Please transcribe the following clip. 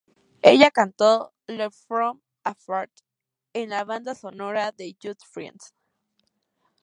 Ella cantó "Love From Afar" en la banda sonora de "Just Friends".